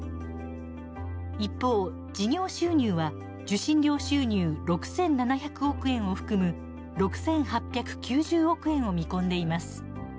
一方、事業収入は受信料収入６７００億円を含む６８９０億円を見込んでいます。